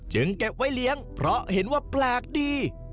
เก็บไว้เลี้ยงเพราะเห็นว่าแปลกดี